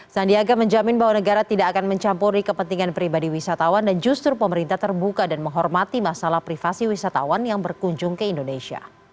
sandiaga menjamin bahwa negara tidak akan mencampuri kepentingan pribadi wisatawan dan justru pemerintah terbuka dan menghormati masalah privasi wisatawan yang berkunjung ke indonesia